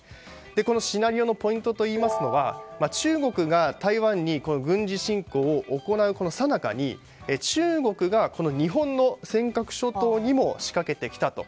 このシナリオのポイントといいますのは中国が台湾に軍事侵攻を行うさなかに中国が日本の尖閣諸島にも仕掛けてきたと。